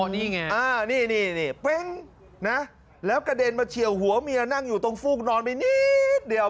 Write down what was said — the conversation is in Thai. นี่ไงนี่เป๊งนะแล้วกระเด็นมาเฉียวหัวเมียนั่งอยู่ตรงฟูกนอนไปนิดเดียว